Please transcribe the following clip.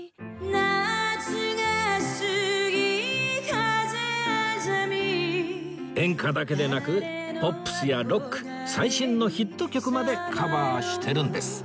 「夏が過ぎ風あざみ」演歌だけでなくポップスやロック最新のヒット曲までカバーしてるんです